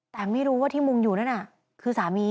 แต่ไม่รู้ว่าที่มุงอยู่นั่นน่ะคือสามี